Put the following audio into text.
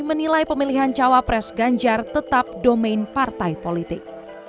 menilai pemilihan cawapres ganjar tetap domain partai politik